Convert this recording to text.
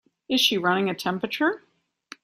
Is she running a temperature?